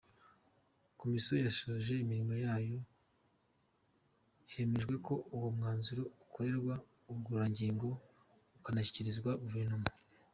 Komisiyo yasoje imirimo yayo hemejwe ko uwo mwanzuro ukorerwa ubugororangingo ukanashyikirizwa Guverinoma.